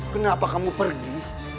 kenapa kamu pergi